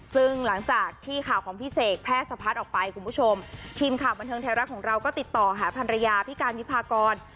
ซึ่งหลังจากที่ข่าวของพี่เสกแพร่สะพัดออกไปคุณผู้ชมทีมข่าวบันเทิงไทยรัฐของเราก็ติดต่อหาพันรยาพี่การวิพากร